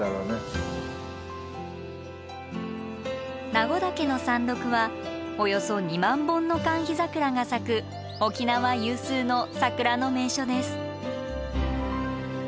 名護岳の山麓はおよそ２万本のカンヒザクラが咲く沖縄有数の桜の名所です。